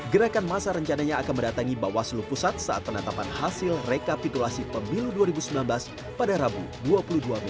gerakan masa rencananya akan mendatangi bawah seluruh pusat saat penetapan hasil rekapitulasi pemilu dua ribu sembilan belas pada rabu dua puluh dua mei dua ribu sembilan belas